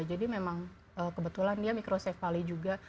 jadi memang kebetulan dia mikrosefali juga